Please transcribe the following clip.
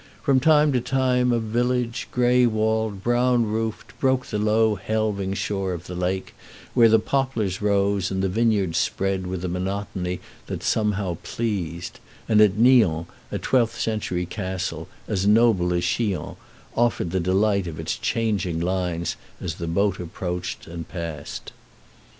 From time to time a village, gray walled, brown roofed, broke the low helving shore of the lake, where the poplars rose and the vineyards spread with a monotony that somehow pleased; and at Nyon a twelfth century castle, as noble as Chillon, offered the delight of its changing lines as the boat approached and passed.